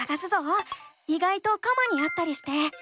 いがいとカマにあったりして。